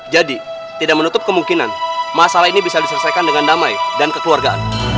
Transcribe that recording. jadi tidak menutup kemungkinan masalah ini bisa diselesaikan dengan damai dan kekeluargaan